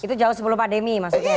itu jauh sebelum pandemi maksudnya